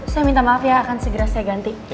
saya minta maaf ya akan segera saya ganti